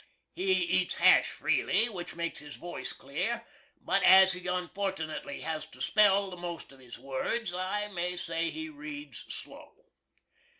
He eats hash freely, which makes his voice clear; but as he onfortnitly has to spell the most of his words, I may say he reads slow.